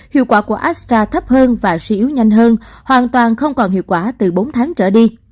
hiệu quả của astra thấp hơn và suy yếu nhanh hơn hoàn toàn không còn hiệu quả từ bốn tháng trở đi